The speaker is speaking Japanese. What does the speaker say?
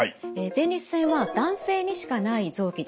前立腺は男性にしかない臓器です。